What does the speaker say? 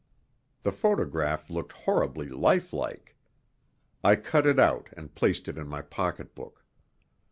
The photograph looked horribly lifelike. I cut it out and placed it in my pocketbook.